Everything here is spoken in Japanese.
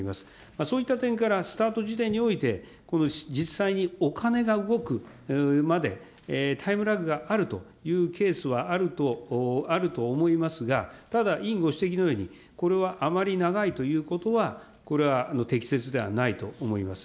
そういった点からスタート時点において、この実際にお金が動くまで、タイムラグがあるというケースはあると思いますが、ただ、委員ご指摘のように、これはあまり長いということは、これは適切ではないと思います。